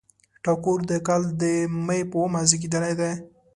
ټاګور د کال د مۍ په اوومه زېږېدلی دی.